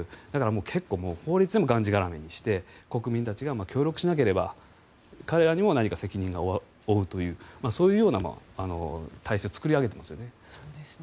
結構、法律でがんじがらめにして国民たちが協力しなければ彼らも何か責任を負うというそういうような体制を作り上げていますよね。